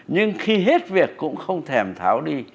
nhưng khi hết việc cũng không thèm tháo đi